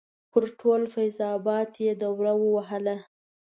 پر ټول فیض اباد یې دوره ووهله.